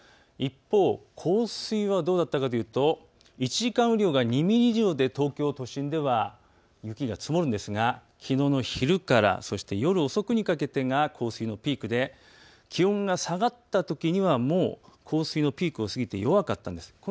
一方、降水は１時間雨量が２ミリ以上で東京都心では雪が積もるんですが、きのうの昼からそして夜遅くにかけてが降水のピークで気温が下がったときにはもう降水のピークを過ぎて弱かったんです。